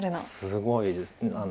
すごいです。